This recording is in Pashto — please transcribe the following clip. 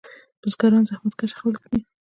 بزګران زحمت کشه خلک دي.